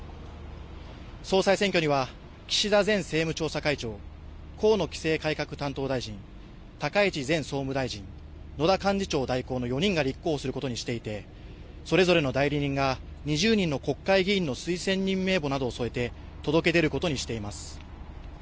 総裁選挙には岸田前政務調査会長、河野規制改革担当大臣、高市前総務大臣、野田幹事長代行の４人が立候補することにしていてそれぞれの代理人が２０人の国会議員の推薦人名簿などを添えて届け出ることにしています。